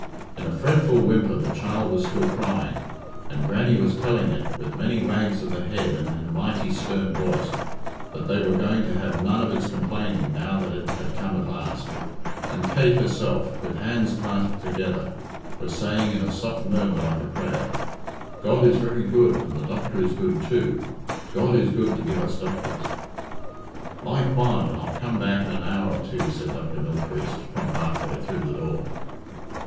In a fretful whimper the child was still crying, and Grannie was telling it, with many wags of the head and in a mighty stern voice, that they were going to have none of its complaining now that it had come at last; and Kate Herself, with hands clasped together, was saying in a soft murmur like a prayer, "God is very good, and the doctor is good too. God is good to give us doctors." "Lie quiet, and I'll come back in an hour or two," said Dr. Mylechreest from half way through the door.